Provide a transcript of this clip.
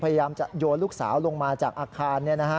พยายามจะโยนลูกสาวลงมาจากอาคาร